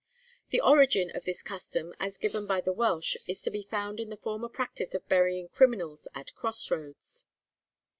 The origin of this custom, as given by the Welsh, is to be found in the former practice of burying criminals at cross roads.